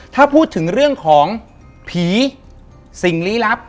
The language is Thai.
ถ้าพูดถึงเรื่องของผีสิ่งลี้ลับ